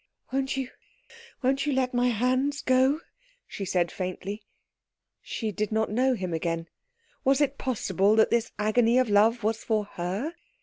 "Won't you won't you let my hands go?" she said faintly. She did not know him again. Was it possible that this agony of love was for her?